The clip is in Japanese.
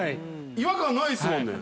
違和感ないっすもんね。